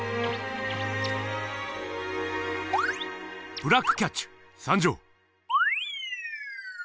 ブラックキャッチュ参上！